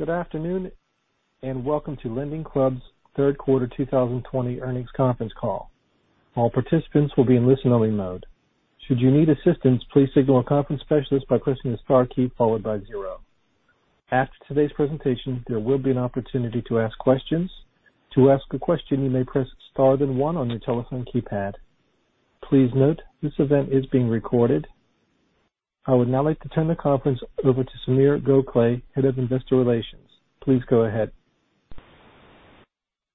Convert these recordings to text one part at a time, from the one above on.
Good afternoon and welcome to LendingClub's Third Quarter 2020 Earnings Conference Call. All participants will be in listen-only mode. Should you need assistance, please signal a conference specialist by pressing the Star key followed by zero. After today's presentation, there will be an opportunity to ask questions. To ask a question, you may press Star then one on your telephone keypad. Please note this event is being recorded. I would now like to turn the conference over to Sameer Gokhale, Head of Investor Relations. Please go ahead.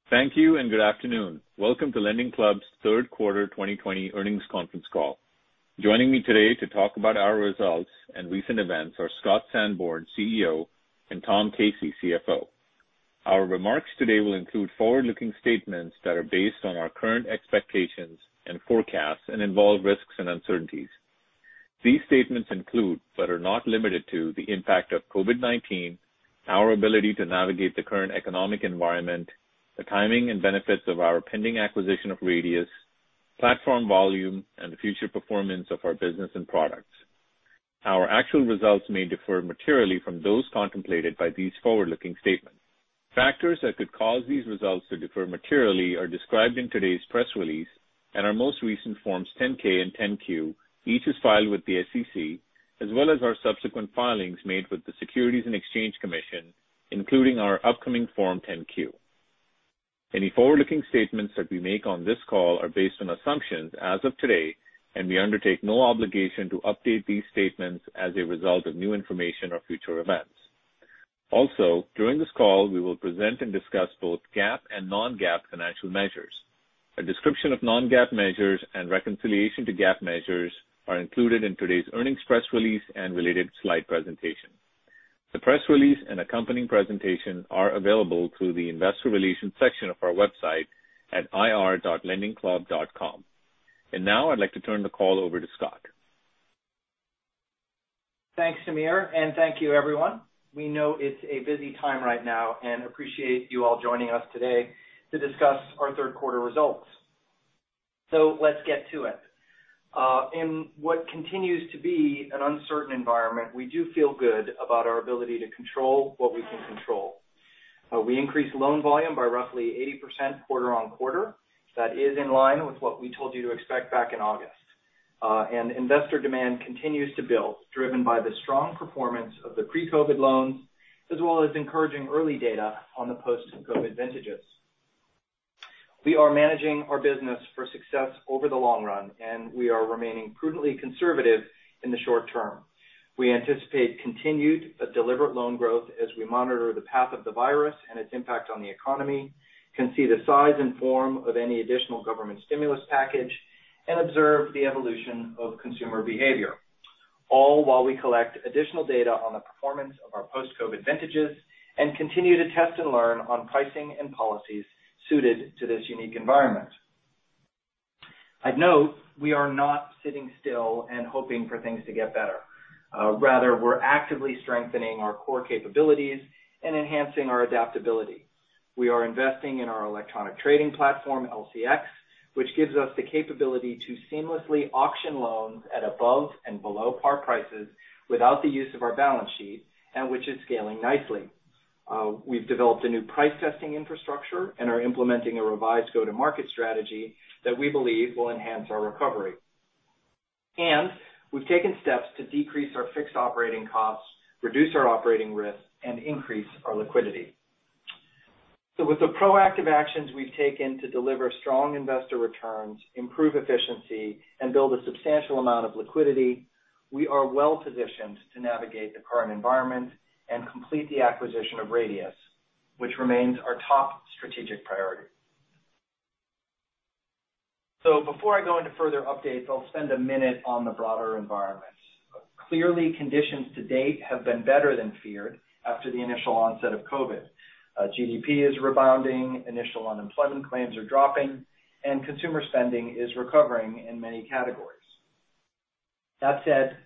Thank you and good afternoon. Welcome to LendingClub's third quarter 2020 earnings conference call. Joining me today to talk about our results and recent events are Scott Sanborn, CEO, and Tom Casey, CFO. Our remarks today will include forward-looking statements that are based on our current expectations and forecasts and involve risks and uncertainties. These statements include, but are not limited to, the impact of COVID-19, our ability to navigate the current economic environment, the timing and benefits of our pending acquisition of Radius, platform volume, and the future performance of our business and products. Our actual results may differ materially from those contemplated by these forward-looking statements. Factors that could cause these results to differ materially are described in today's press release and our most recent Forms 10-K and 10-Q, each as filed with the SEC, as well as our subsequent filings made with the Securities and Exchange Commission, including our upcoming Form 10-Q. Any forward-looking statements that we make on this call are based on assumptions as of today, and we undertake no obligation to update these statements as a result of new information or future events. Also, during this call, we will present and discuss both GAAP and non-GAAP financial measures. A description of non-GAAP measures and reconciliation to GAAP measures are included in today's earnings press release and related slide presentation. The press release and accompanying presentation are available through the investor relations section of our website at ir.lendingclub.com. I would now like to turn the call over to Scott. Thanks, Sameer, and thank you, everyone. We know it's a busy time right now and appreciate you all joining us today to discuss our third quarter results. Let's get to it. In what continues to be an uncertain environment, we do feel good about our ability to control what we can control. We increased loan volume by roughly 80% quarter-on-quarter. That is in line with what we told you to expect back in August. Investor demand continues to build, driven by the strong performance of the pre-COVID loans, as well as encouraging early data on the post-COVID vintages. We are managing our business for success over the long run, and we are remaining prudently conservative in the short term. We anticipate continued but deliberate loan growth as we monitor the path of the virus and its impact on the economy, can see the size and form of any additional government stimulus package, and observe the evolution of consumer behavior. All while we collect additional data on the performance of our post-COVID vintages and continue to test and learn on pricing and policies suited to this unique environment. I'd note we are not sitting still and hoping for things to get better. Rather, we're actively strengthening our core capabilities and enhancing our adaptability. We are investing in our electronic trading platform, LCX, which gives us the capability to seamlessly auction loans at above and below par prices without the use of our balance sheet, and which is scaling nicely. We've developed a new price testing infrastructure and are implementing a revised go-to-market strategy that we believe will enhance our recovery. We have taken steps to decrease our fixed operating costs, reduce our operating risk, and increase our liquidity. With the proactive actions we have taken to deliver strong investor returns, improve efficiency, and build a substantial amount of liquidity, we are well positioned to navigate the current environment and complete the acquisition of Radius, which remains our top strategic priority. Before I go into further updates, I will spend a minute on the broader environment. Clearly, conditions to date have been better than feared after the initial onset of COVID. GDP is rebounding, initial unemployment claims are dropping, and consumer spending is recovering in many categories. That said,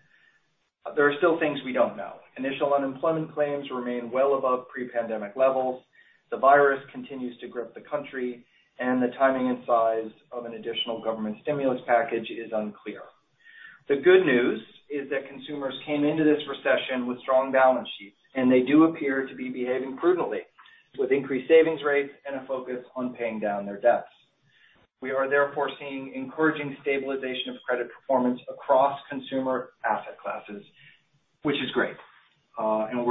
there are still things we do not know. Initial unemployment claims remain well above pre-pandemic levels, the virus continues to grip the country, and the timing and size of an additional government stimulus package is unclear. The good news is that consumers came into this recession with strong balance sheets, and they do appear to be behaving prudently with increased savings rates and a focus on paying down their debts. We are therefore seeing encouraging stabilization of credit performance across consumer asset classes, which is great. We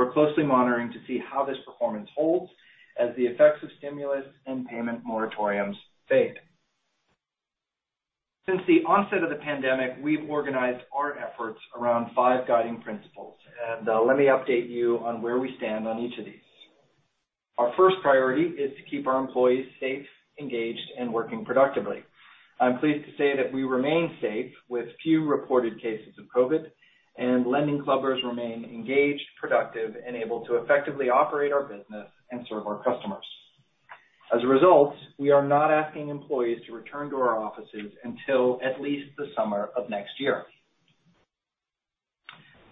are closely monitoring to see how this performance holds as the effects of stimulus and payment moratoriums fade. Since the onset of the pandemic, we've organized our efforts around five guiding principles, and let me update you on where we stand on each of these. Our first priority is to keep our employees safe, engaged, and working productively. I'm pleased to say that we remain safe with few reported cases of COVID, and LendingClubbers remain engaged, productive, and able to effectively operate our business and serve our customers. As a result, we are not asking employees to return to our offices until at least the summer of next year.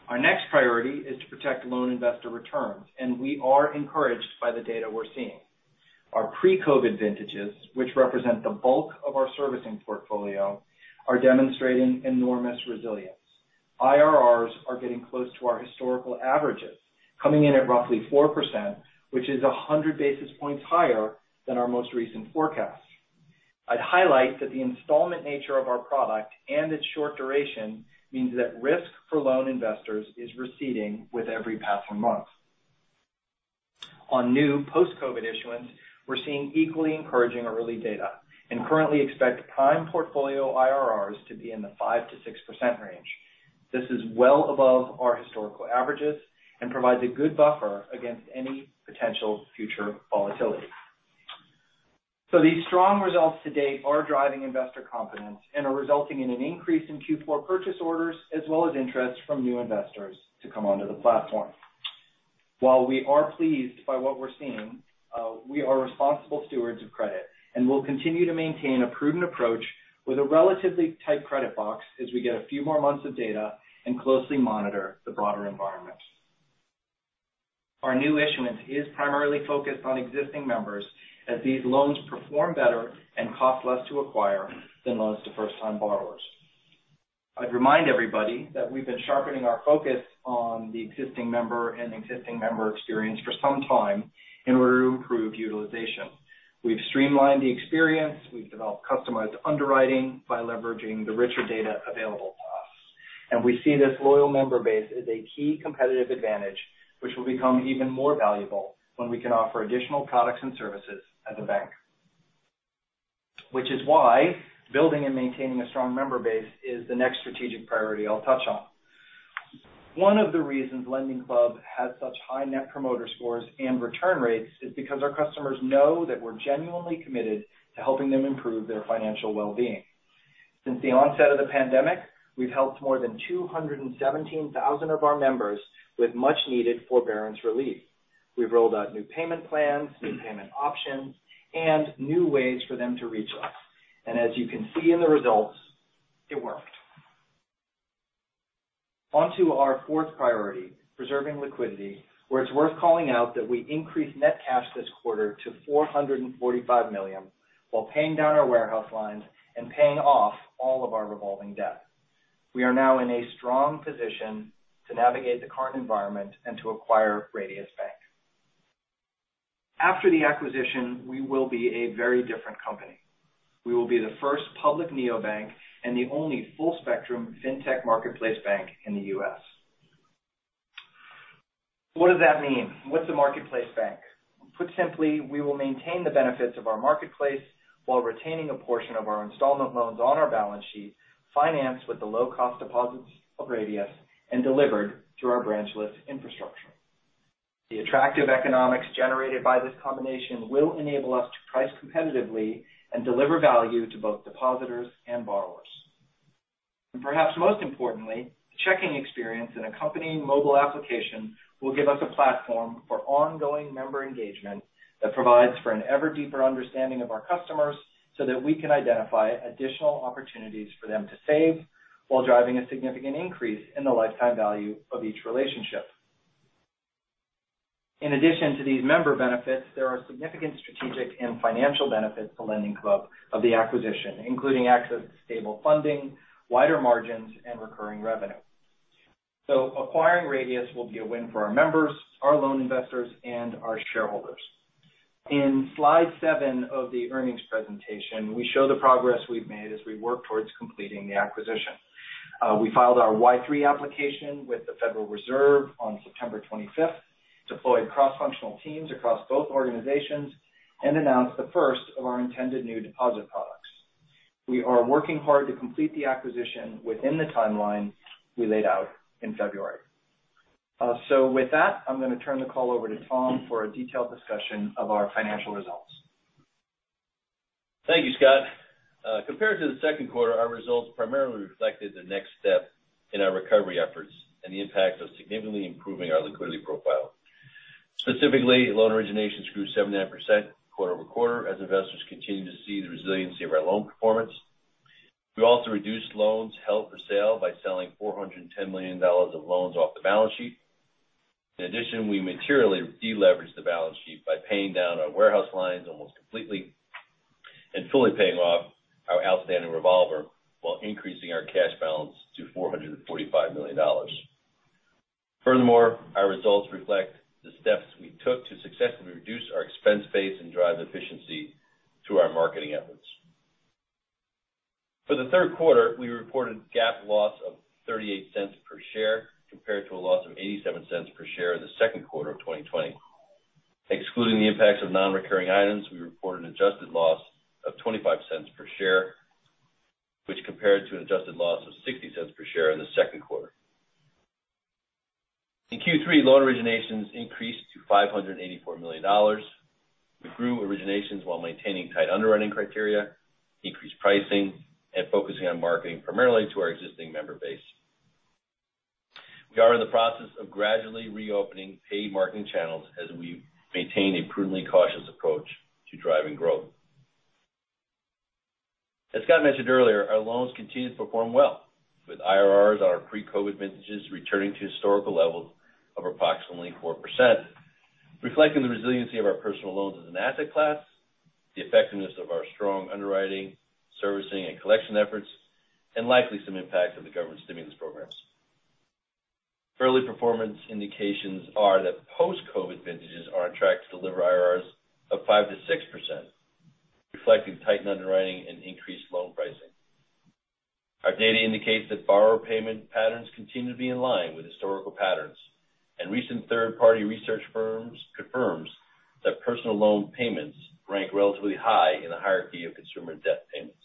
Our next priority is to protect loan investor returns, and we are encouraged by the data we're seeing. Our pre-COVID vintages, which represent the bulk of our servicing portfolio, are demonstrating enormous resilience. IRRs are getting close to our historical averages, coming in at roughly 4%, which is 100 basis points higher than our most recent forecast. I'd highlight that the installment nature of our product and its short duration means that risk for loan investors is receding with every passing month. On new post-COVID issuance, we're seeing equally encouraging early data, and currently expect prime portfolio IRRs to be in the 5%-6% range. This is well above our historical averages and provides a good buffer against any potential future volatility. These strong results to date are driving investor confidence and are resulting in an increase in Q4 purchase orders as well as interest from new investors to come onto the platform. While we are pleased by what we're seeing, we are responsible stewards of credit and will continue to maintain a prudent approach with a relatively tight credit box as we get a few more months of data and closely monitor the broader environment. Our new issuance is primarily focused on existing members as these loans perform better and cost less to acquire than loans to first-time borrowers. I'd remind everybody that we've been sharpening our focus on the existing member and existing member experience for some time in order to improve utilization. We've streamlined the experience, we've developed customized underwriting by leveraging the richer data available to us. We see this loyal member base as a key competitive advantage, which will become even more valuable when we can offer additional products and services as a bank. That is why building and maintaining a strong member base is the next strategic priority I'll touch on. One of the reasons LendingClub has such high net promoter scores and return rates is because our customers know that we're genuinely committed to helping them improve their financial well-being. Since the onset of the pandemic, we've helped more than 217,000 of our members with much-needed forbearance relief. We've rolled out new payment plans, new payment options, and new ways for them to reach us. As you can see in the results, it worked. Onto our fourth priority, preserving liquidity, where it's worth calling out that we increased net cash this quarter to $445 million while paying down our warehouse lines and paying off all of our revolving debt. We are now in a strong position to navigate the current environment and to acquire Radius Bank. After the acquisition, we will be a very different company. We will be the first public neobank and the only full-spectrum fintech marketplace bank in the U.S.. What does that mean? What's a marketplace bank? Put simply, we will maintain the benefits of our marketplace while retaining a portion of our installment loans on our balance sheet, financed with the low-cost deposits of Radius and delivered through our branchless infrastructure. The attractive economics generated by this combination will enable us to price competitively and deliver value to both depositors and borrowers. Perhaps most importantly, the checking experience and accompanying mobile application will give us a platform for ongoing member engagement that provides for an ever deeper understanding of our customers so that we can identify additional opportunities for them to save while driving a significant increase in the lifetime value of each relationship. In addition to these member benefits, there are significant strategic and financial benefits to LendingClub of the acquisition, including access to stable funding, wider margins, and recurring revenue. Acquiring Radius will be a win for our members, our loan investors, and our shareholders. In slide seven of the earnings presentation, we show the progress we have made as we work towards completing the acquisition. We filed our Y-3 application with the Federal Reserve on September 25th, deployed cross-functional teams across both organizations, and announced the first of our intended new deposit products. We are working hard to complete the acquisition within the timeline we laid out in February. With that, I'm going to turn the call over to Tom for a detailed discussion of our financial results. Thank you, Scott. Compared to the second quarter, our results primarily reflected the next step in our recovery efforts and the impact of significantly improving our liquidity profile. Specifically, loan origination grew 79% quarter over quarter as investors continued to see the resiliency of our loan performance. We also reduced loans held for sale by selling $410 million of loans off the balance sheet. In addition, we materially deleveraged the balance sheet by paying down our warehouse lines almost completely and fully paying off our outstanding revolver while increasing our cash balance to $445 million. Furthermore, our results reflect the steps we took to successfully reduce our expense base and drive efficiency through our marketing efforts. For the third quarter, we reported GAAP loss of $0.38 per share compared to a loss of $0.87 per share in the second quarter of 2020. Excluding the impacts of non-recurring items, we reported adjusted loss of $0.25 per share, which compared to an adjusted loss of $0.60 per share in the second quarter. In Q3, loan originations increased to $584 million. We grew originations while maintaining tight underwriting criteria, increased pricing, and focusing on marketing primarily to our existing member base. We are in the process of gradually reopening paid marketing channels as we maintain a prudently cautious approach to driving growth. As Scott mentioned earlier, our loans continue to perform well, with IRRs on our pre-COVID vintages returning to historical levels of approximately 4%, reflecting the resiliency of our personal loans as an asset class, the effectiveness of our strong underwriting, servicing, and collection efforts, and likely some impact of the government stimulus programs. Early performance indications are that post-COVID vintages are on track to deliver IRRs of 5%-6%, reflecting tightened underwriting and increased loan pricing. Our data indicates that borrower payment patterns continue to be in line with historical patterns, and recent third-party research confirms that personal loan payments rank relatively high in the hierarchy of consumer debt payments,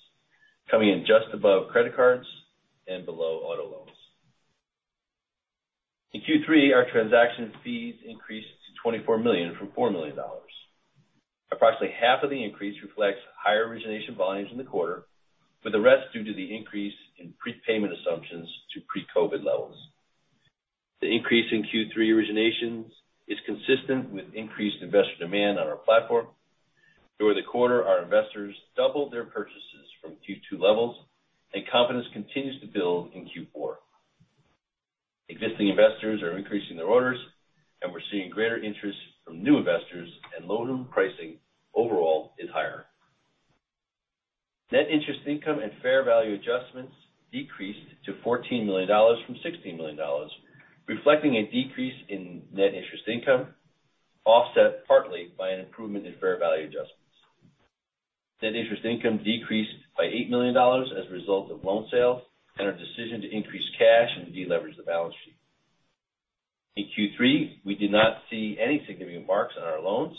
coming in just above credit cards and below auto loans. In Q3, our transaction fees increased to $24 million-$4 million. Approximately half of the increase reflects higher origination volumes in the quarter, with the rest due to the increase in pre-payment assumptions to pre-COVID levels. The increase in Q3 originations is consistent with increased investor demand on our platform. Throughout the quarter, our investors doubled their purchases from Q2 levels, and confidence continues to build in Q4. Existing investors are increasing their orders, and we're seeing greater interest from new investors, and low-to-mid pricing overall is higher. Net interest income and fair value adjustments decreased to $14 million-$16 million, reflecting a decrease in net interest income, offset partly by an improvement in fair value adjustments. Net interest income decreased by $8 million as a result of loan sales and our decision to increase cash and deleverage the balance sheet. In Q3, we did not see any significant marks on our loans.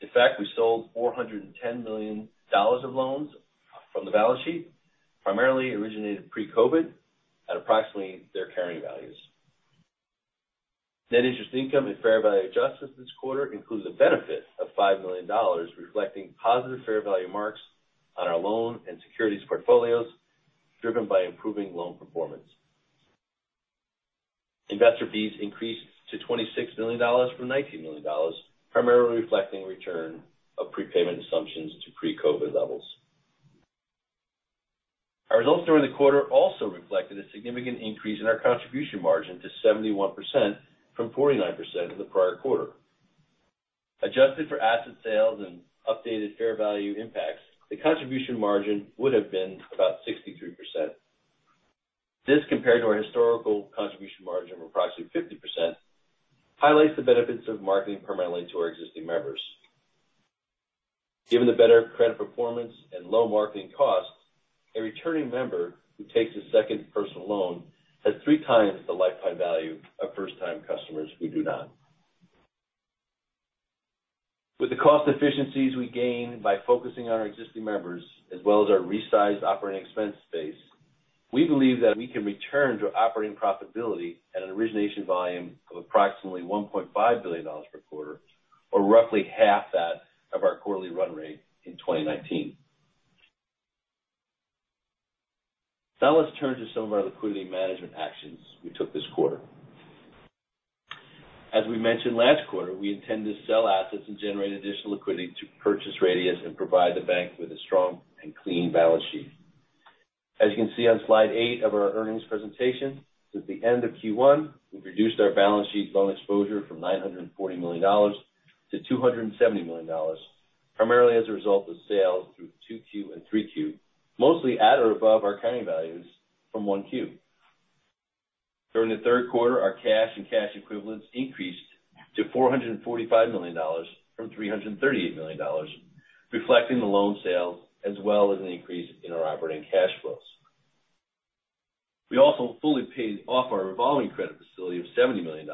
In fact, we sold $410 million of loans from the balance sheet, primarily originated pre-COVID at approximately their carrying values. Net interest income and fair value adjustments this quarter include the benefit of $5 million, reflecting positive fair value marks on our loan and securities portfolios driven by improving loan performance. Investor fees increased to $26 million-$19 million, primarily reflecting return of pre-payment assumptions to pre-COVID levels. Our results during the quarter also reflected a significant increase in our contribution margin to 71%-49% in the prior quarter. Adjusted for asset sales and updated fair value impacts, the contribution margin would have been about 63%. This, compared to our historical contribution margin of approximately 50%, highlights the benefits of marketing permanently to our existing members. Given the better credit performance and low marketing costs, a returning member who takes a second personal loan has three times the lifetime value of first-time customers who do not. With the cost efficiencies we gain by focusing on our existing members as well as our resized operating expense space, we believe that we can return to operating profitability at an origination volume of approximately $1.5 billion per quarter, or roughly half that of our quarterly run rate in 2019. Now let's turn to some of our liquidity management actions we took this quarter. As we mentioned last quarter, we intend to sell assets and generate additional liquidity to purchase Radius and provide the bank with a strong and clean balance sheet. As you can see on slide eight of our earnings presentation, since the end of Q1, we've reduced our balance sheet loan exposure from $940 million-$270 million, primarily as a result of sales through Q2 and Q3, mostly at or above our carrying values from Q1. During the third quarter, our cash and cash equivalents increased to $445 million-$338 million, reflecting the loan sales as well as an increase in our operating cash flows. We also fully paid off our revolving credit facility of $70 million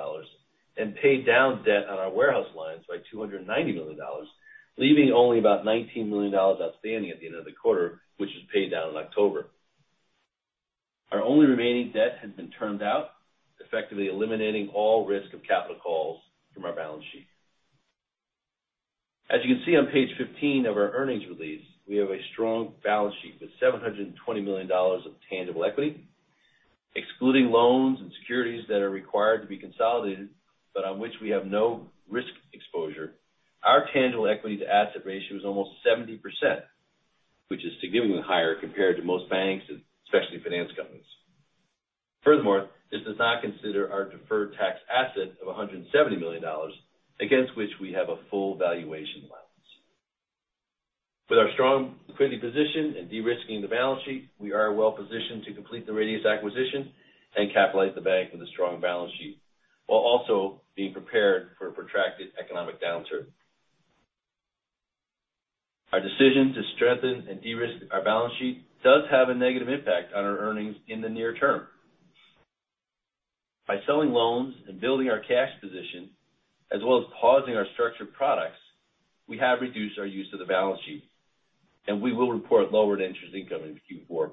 and paid down debt on our warehouse lines by $290 million, leaving only about $19 million outstanding at the end of the quarter, which was paid down in October. Our only remaining debt has been turned out, effectively eliminating all risk of capital calls from our balance sheet. As you can see on page 15 of our earnings release, we have a strong balance sheet with $720 million of tangible equity. Excluding loans and securities that are required to be consolidated, but on which we have no risk exposure, our tangible equity to asset ratio is almost 70%, which is significantly higher compared to most banks, especially finance companies. Furthermore, this does not consider our deferred tax asset of $170 million, against which we have a full valuation allowance. With our strong liquidity position and de-risking the balance sheet, we are well positioned to complete the Radius acquisition and capitalize the bank with a strong balance sheet while also being prepared for a protracted economic downturn. Our decision to strengthen and de-risk our balance sheet does have a negative impact on our earnings in the near term. By selling loans and building our cash position, as well as pausing our structured products, we have reduced our use of the balance sheet, and we will report lowered interest income in Q4.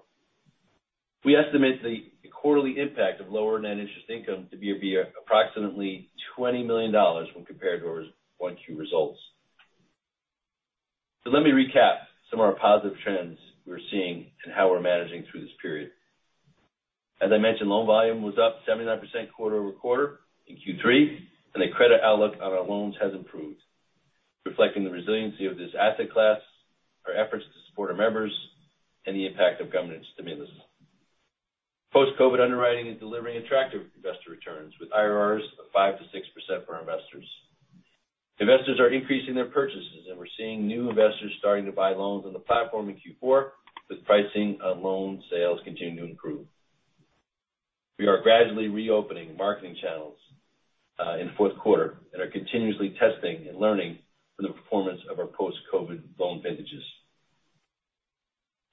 We estimate the quarterly impact of lowered net interest income to be approximately $20 million when compared to our Q1 results. Let me recap some of our positive trends we're seeing and how we're managing through this period. As I mentioned, loan volume was up 79% quarter over quarter in Q3, and the credit outlook on our loans has improved, reflecting the resiliency of this asset class, our efforts to support our members, and the impact of government stimulus. Post-COVID underwriting is delivering attractive investor returns with IRRs of 5%-6% for our investors. Investors are increasing their purchases, and we're seeing new investors starting to buy loans on the platform in Q4, with pricing on loan sales continuing to improve. We are gradually reopening marketing channels in the fourth quarter and are continuously testing and learning from the performance of our post-COVID loan vintages.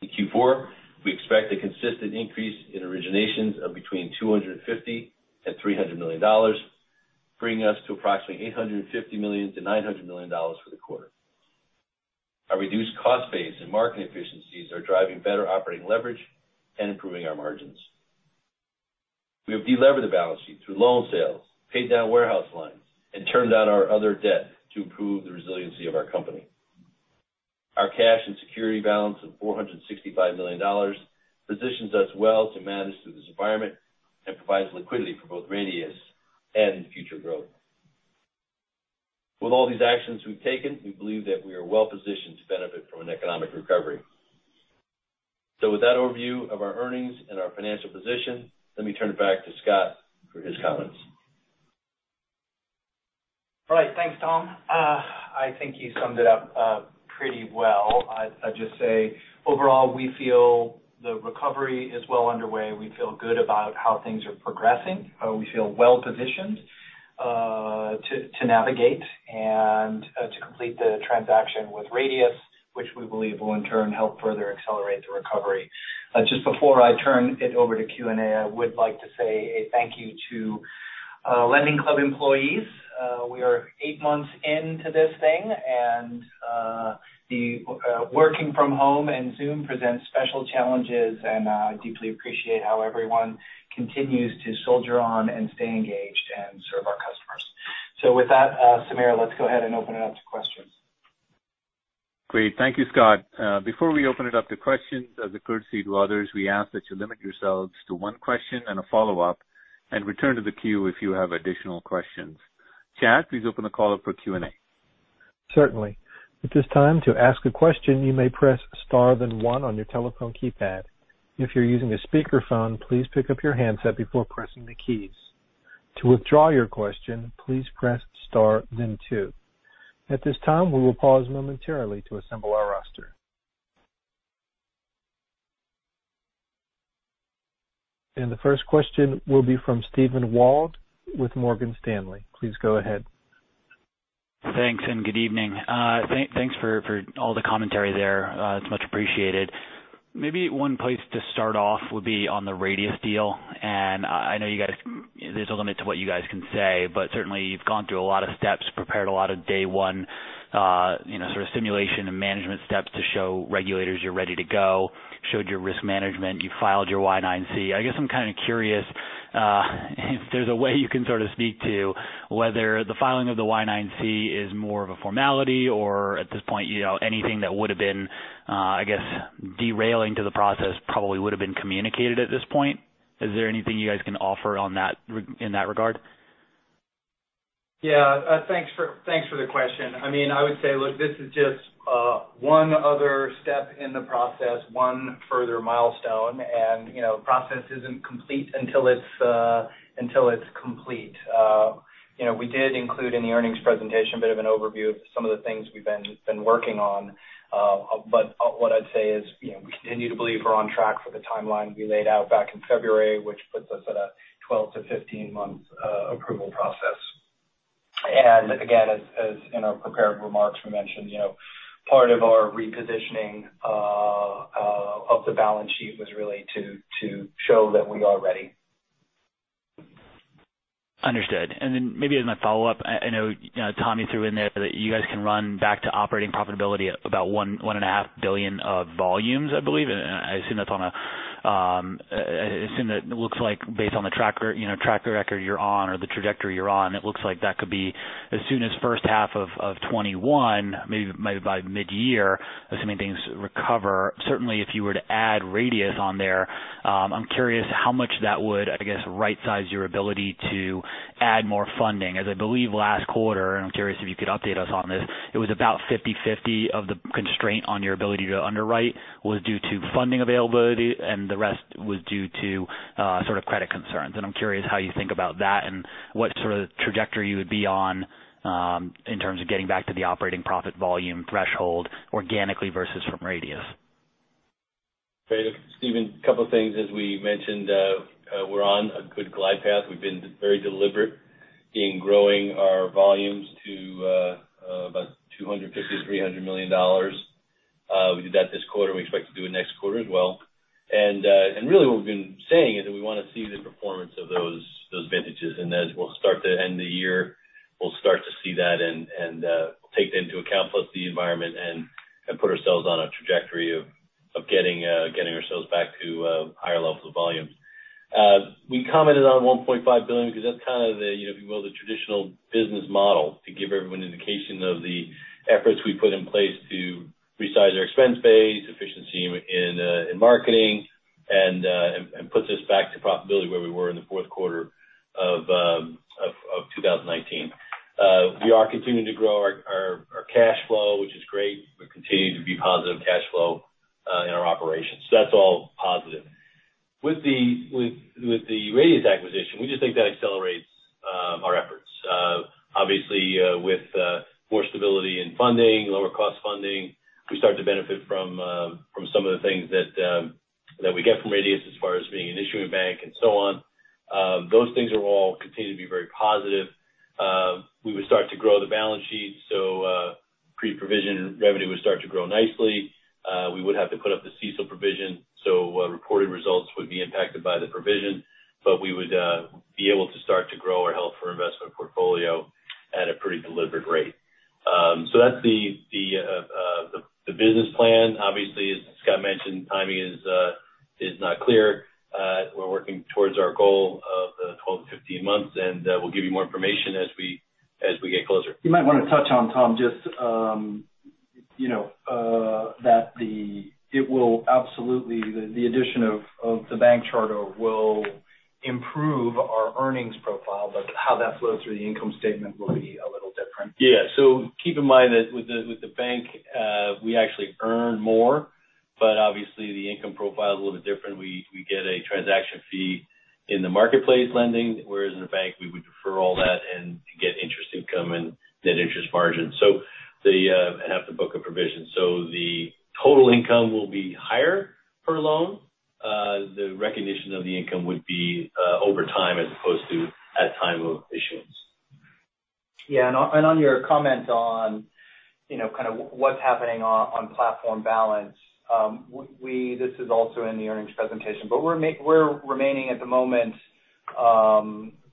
In Q4, we expect a consistent increase in originations of between $250 million-$300 million, bringing us to approximately $850 million-$900 million for the quarter. Our reduced cost base and marketing efficiencies are driving better operating leverage and improving our margins. We have deleveraged the balance sheet through loan sales, paid down warehouse lines, and turned out our other debt to improve the resiliency of our company. Our cash and security balance of $465 million positions us well to manage through this environment and provides liquidity for both Radius and future growth. With all these actions we've taken, we believe that we are well positioned to benefit from an economic recovery. With that overview of our earnings and our financial position, let me turn it back to Scott for his comments. All right. Thanks, Tom. I think you summed it up pretty well. I'd just say overall, we feel the recovery is well underway. We feel good about how things are progressing. We feel well positioned to navigate and to complete the transaction with Radius, which we believe will in turn help further accelerate the recovery. Just before I turn it over to Q&A, I would like to say a thank you to LendingClub employees. We are eight months into this thing, and working from home and Zoom presents special challenges, and I deeply appreciate how everyone continues to soldier on and stay engaged and serve our customers. With that, Sameer, let's go ahead and open it up to questions. Great. Thank you, Scott. Before we open it up to questions, as a courtesy to others, we ask that you limit yourselves to one question and a follow-up and return to the queue if you have additional questions. Chad, please open the call up for Q&A. Certainly. At this time, to ask a question, you may press Star then one on your telephone keypad. If you're using a speakerphone, please pick up your handset before pressing the keys. To withdraw your question, please press Star then two. At this time, we will pause momentarily to assemble our roster. The first question will be from Steven Wald with Morgan Stanley. Please go ahead. Thanks, and good evening. Thanks for all the commentary there. It's much appreciated. Maybe one place to start off would be on the Radius deal. I know there's a limit to what you guys can say, but certainly, you've gone through a lot of steps, prepared a lot of day-one sort of simulation and management steps to show regulators you're ready to go, showed your risk management, you filed your Y-9C. I guess I'm kind of curious if there's a way you can sort of speak to whether the filing of the Y-9C is more of a formality or, at this point, anything that would have been, I guess, derailing to the process probably would have been communicated at this point. Is there anything you guys can offer in that regard? Yeah. Thanks for the question. I mean, I would say, look, this is just one other step in the process, one further milestone. The process isn't complete until it's complete. We did include in the earnings presentation a bit of an overview of some of the things we've been working on. What I'd say is we continue to believe we're on track for the timeline we laid out back in February, which puts us at a 12-15 month approval process. As in our prepared remarks, we mentioned part of our repositioning of the balance sheet was really to show that we are ready. Understood. Maybe as my follow-up, I know Tommy threw in there that you guys can run back to operating profitability at about $1.5 billion of volumes, I believe. I assume that it looks like, based on the track record you're on or the trajectory you're on, it looks like that could be as soon as the first half of 2021, maybe by mid-year, assuming things recover. Certainly, if you were to add Radius on there, I'm curious how much that would, I guess, right-size your ability to add more funding. As I believe last quarter—and I'm curious if you could update us on this—it was about 50/50 of the constraint on your ability to underwrite was due to funding availability, and the rest was due to sort of credit concerns. I'm curious how you think about that and what sort of trajectory you would be on in terms of getting back to the operating profit volume threshold organically versus from Radius. Great. Steven, a couple of things. As we mentioned, we're on a good glide path. We've been very deliberate in growing our volumes to about $250 million-$300 million. We did that this quarter. We expect to do it next quarter as well. Really, what we've been saying is that we want to see the performance of those vintages. As we start to end the year, we'll start to see that and take that into account, plus the environment, and put ourselves on a trajectory of getting ourselves back to higher levels of volumes. We commented on $1.5 billion because that's kind of the, if you will, the traditional business model to give everyone an indication of the efforts we put in place to resize our expense base, efficiency in marketing, and puts us back to profitability where we were in the fourth quarter of 2019. We are continuing to grow our cash flow, which is great. We continue to be positive cash flow in our operations. That is all positive. With the Radius acquisition, we just think that accelerates our efforts. Obviously, with more stability in funding, lower cost funding, we start to benefit from some of the things that we get from Radius as far as being an issuing bank and so on. Those things are all continuing to be very positive. We would start to grow the balance sheet, so pre-provision revenue would start to grow nicely. We would have to put up the CECL provision, so reported results would be impacted by the provision, but we would be able to start to grow our held for investment portfolio at a pretty deliberate rate. That is the business plan. Obviously, as Scott mentioned, timing is not clear. We're working towards our goal of 12 months-15 months, and we'll give you more information as we get closer. You might want to touch on, Tom, just that it will absolutely—the addition of the bank charter will improve our earnings profile, but how that flows through the income statement will be a little different. Yeah. Keep in mind that with the bank, we actually earn more, but obviously, the income profile is a little bit different. We get a transaction fee in the marketplace lending, whereas in a bank, we would defer all that and get interest income and net interest margin. They have to book a provision. The total income will be higher per loan. The recognition of the income would be over time as opposed to at time of issuance. Yeah. On your comment on kind of what's happening on platform balance, this is also in the earnings presentation, but we're remaining at the moment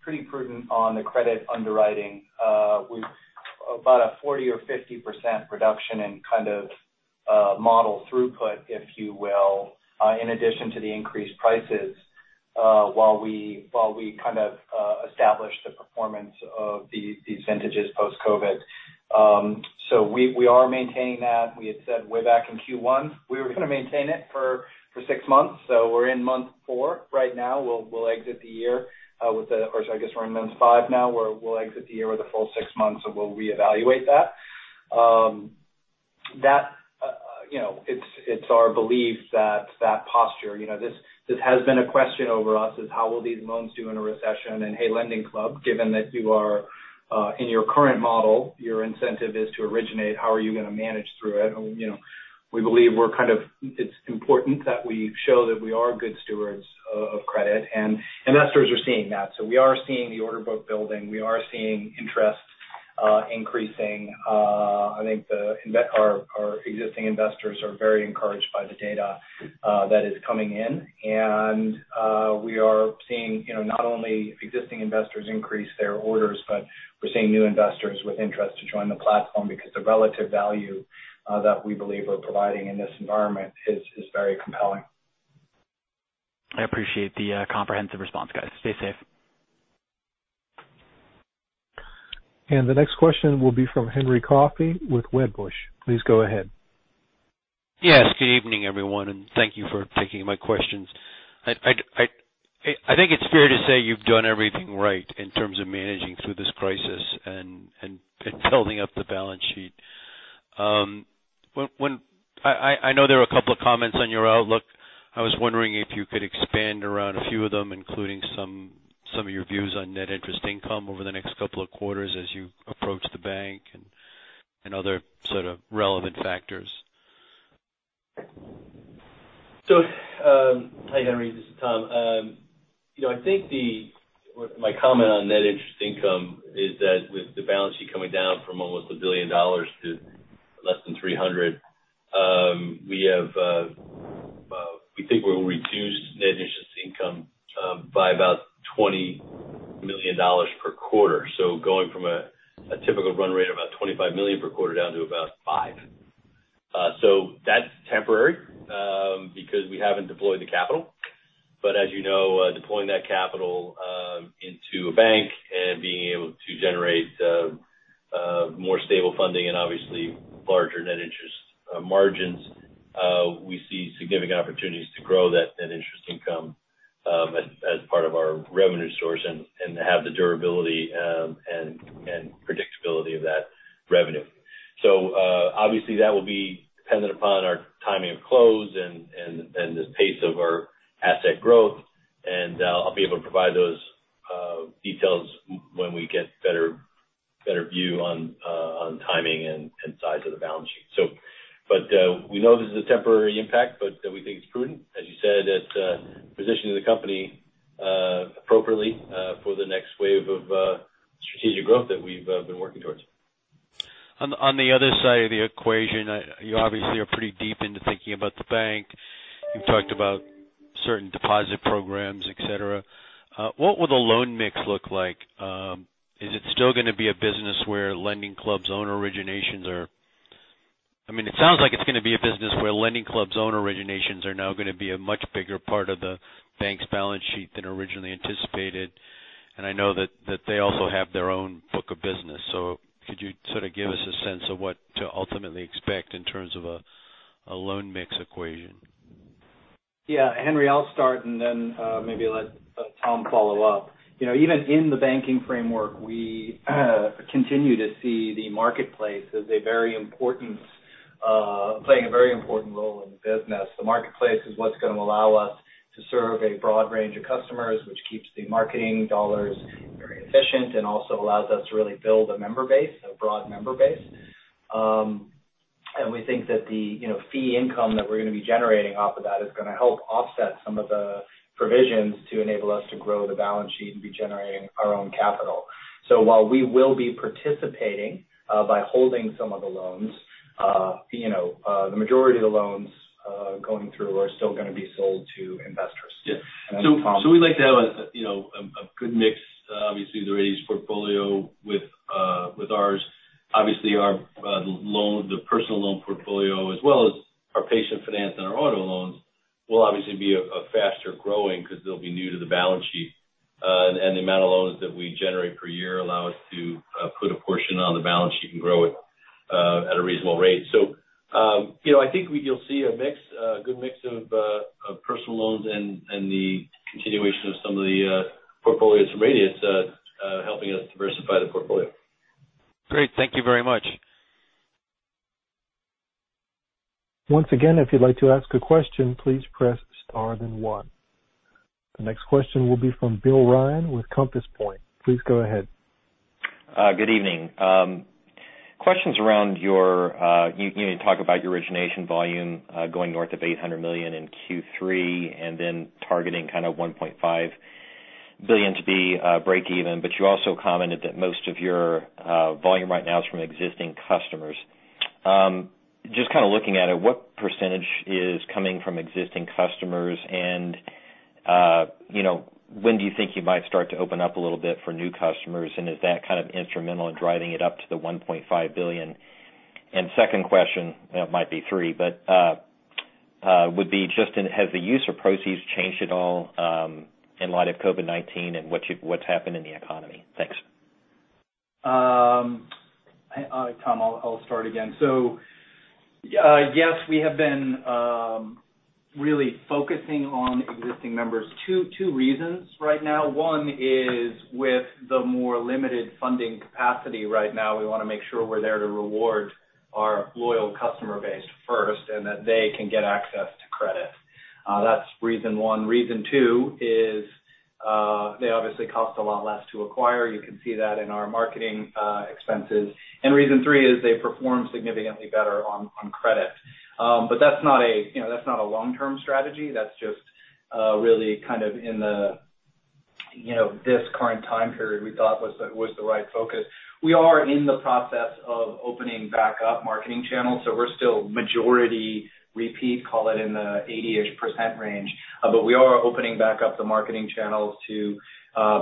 pretty prudent on the credit underwriting. We have about a 40% or 50% reduction in kind of model throughput, if you will, in addition to the increased prices while we kind of establish the performance of these vintages post-COVID. We are maintaining that. We had said way back in Q1, we were going to maintain it for six months. We are in month four right now. We will exit the year with the—or I guess we are in month five now where we will exit the year with a full six months, and we will reevaluate that. It is our belief that that posture—this has been a question over us—is how will these loans do in a recession. Hey, LendingClub, given that you are in your current model, your incentive is to originate. How are you going to manage through it? We believe it's important that we show that we are good stewards of credit, and investors are seeing that. We are seeing the order book building. We are seeing interest increasing. I think our existing investors are very encouraged by the data that is coming in. We are seeing not only existing investors increase their orders, but we are seeing new investors with interest to join the platform because the relative value that we believe we are providing in this environment is very compelling. I appreciate the comprehensive response, guys. Stay safe. The next question will be from Henry Coffey with Wedbush. Please go ahead. Yes. Good evening, everyone, and thank you for taking my questions. I think it's fair to say you've done everything right in terms of managing through this crisis and building up the balance sheet. I know there are a couple of comments on your outlook. I was wondering if you could expand around a few of them, including some of your views on net interest income over the next couple of quarters as you approach the bank and other sort of relevant factors. Hi, Henry. This is Tom. I think my comment on net interest income is that with the balance sheet coming down from almost $1 billion to less than $300 million, we think we will reduce net interest income by about $20 million per quarter. Going from a typical run rate of about $25 million per quarter down to about $5 million. That is temporary because we have not deployed the capital. As you know, deploying that capital into a bank and being able to generate more stable funding and obviously larger net interest margins, we see significant opportunities to grow that net interest income as part of our revenue source and have the durability and predictability of that revenue. That will be dependent upon our timing of close and the pace of our asset growth. I'll be able to provide those details when we get a better view on timing and size of the balance sheet. We know this is a temporary impact, but we think it's prudent, as you said, at positioning the company appropriately for the next wave of strategic growth that we've been working towards. On the other side of the equation, you obviously are pretty deep into thinking about the bank. You've talked about certain deposit programs, etc. What will the loan mix look like? Is it still going to be a business where LendingClub's own originations are—I mean, it sounds like it's going to be a business where LendingClub's own originations are now going to be a much bigger part of the bank's balance sheet than originally anticipated. I know that they also have their own book of business. Could you sort of give us a sense of what to ultimately expect in terms of a loan mix equation? Yeah. Henry, I'll start, and then maybe let Tom follow up. Even in the banking framework, we continue to see the marketplace as playing a very important role in the business. The marketplace is what's going to allow us to serve a broad range of customers, which keeps the marketing dollars very efficient and also allows us to really build a member base, a broad member base. We think that the fee income that we're going to be generating off of that is going to help offset some of the provisions to enable us to grow the balance sheet and be generating our own capital. While we will be participating by holding some of the loans, the majority of the loans going through are still going to be sold to investors. Yeah. We'd like to have a good mix, obviously, the Radius portfolio with ours. Obviously, the personal loan portfolio, as well as our patient finance and our auto loans, will obviously be faster growing because they'll be new to the balance sheet. The amount of loans that we generate per year allows us to put a portion on the balance sheet and grow it at a reasonable rate. I think you'll see a good mix of personal loans and the continuation of some of the portfolios from Radius helping us diversify the portfolio. Great. Thank you very much. Once again, if you'd like to ask a question, please press Star then one. The next question will be from Bill Ryan with Compass Point. Please go ahead. Good evening. Questions around your—you talked about your origination volume going north of $800 million in Q3 and then targeting kind of $1.5 billion to be breakeven. You also commented that most of your volume right now is from existing customers. Just kind of looking at it, what percentage is coming from existing customers? When do you think you might start to open up a little bit for new customers? Is that kind of instrumental in driving it up to the $1.5 billion? Second question, it might be three, but has the use of proceeds changed at all in light of COVID-19 and what has happened in the economy? Thanks. Hi, Tom. I'll start again. Yes, we have been really focusing on existing members for two reasons right now. One is with the more limited funding capacity right now, we want to make sure we're there to reward our loyal customer base first and that they can get access to credit. That's reason one. Reason two is they obviously cost a lot less to acquire. You can see that in our marketing expenses. Reason three is they perform significantly better on credit. That's not a long-term strategy. That's just really kind of in this current time period, we thought was the right focus. We are in the process of opening back up marketing channels. We're still majority repeat, call it in the 80% range. We are opening back up the marketing channels to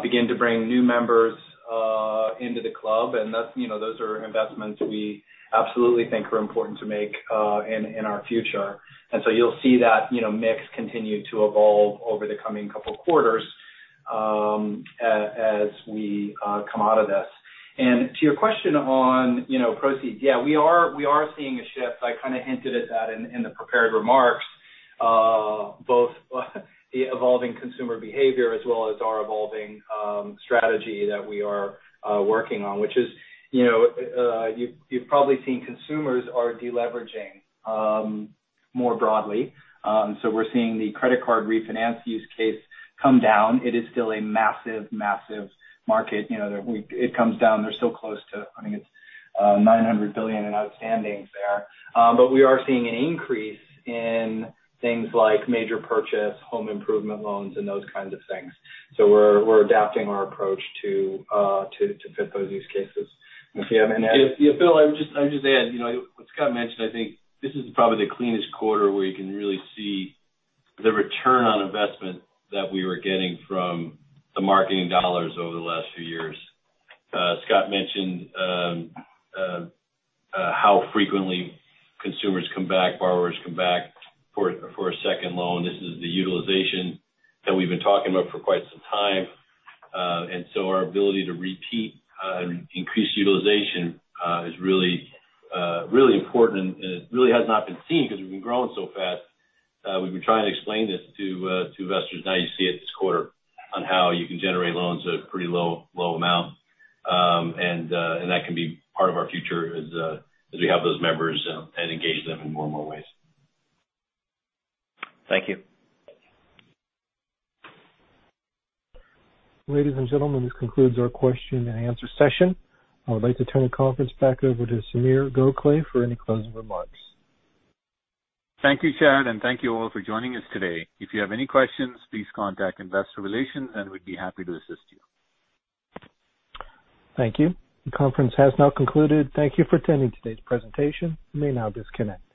begin to bring new members into the club. Those are investments we absolutely think are important to make in our future. You will see that mix continue to evolve over the coming couple of quarters as we come out of this. To your question on proceeds, yeah, we are seeing a shift. I kind of hinted at that in the prepared remarks, both the evolving consumer behavior as well as our evolving strategy that we are working on, which is you have probably seen consumers are deleveraging more broadly. We are seeing the credit card refinance use case come down. It is still a massive, massive market. It comes down. There is still close to, I think it is $900 billion in outstanding there. We are seeing an increase in things like major purchase, home improvement loans, and those kinds of things. We are adapting our approach to fit those use cases. If you have any— Yeah. Bill, I would just add, what Scott mentioned, I think this is probably the cleanest quarter where you can really see the return on investment that we were getting from the marketing dollars over the last few years. Scott mentioned how frequently consumers come back, borrowers come back for a second loan. This is the utilization that we've been talking about for quite some time. Our ability to repeat and increase utilization is really important. It really has not been seen because we've been growing so fast. We've been trying to explain this to investors. Now you see it this quarter on how you can generate loans at a pretty low amount. That can be part of our future as we have those members and engage them in more and more ways. Thank you. Ladies and gentlemen, this concludes our question and answer session. I would like to turn the conference back over to Sameer Gokhale for any closing remarks. Thank you, Chad, and thank you all for joining us today. If you have any questions, please contact Investor Relations, and we'd be happy to assist you. Thank you. The conference has now concluded. Thank you for attending today's presentation. You may now disconnect.